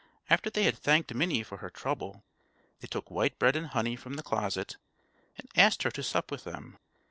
After they had thanked Minnie for her trouble, they took white bread and honey from the closet and asked her to sup with them.